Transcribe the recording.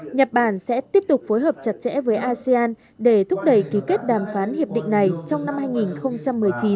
nhật bản sẽ tiếp tục phối hợp chặt chẽ với asean để thúc đẩy ký kết đàm phán hiệp định này trong năm hai nghìn một mươi chín